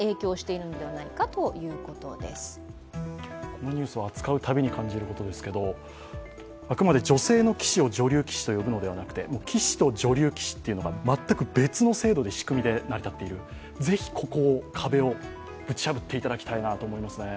このニュースを扱うたびに感じることですけれどもあくまで女性の棋士を女流棋士と呼ぶのではなくて、棋士と女流棋士っていうのが全く別の制度、仕組みで成り立っている、ぜひここを、壁をぶち破っていただきたいと思いますね。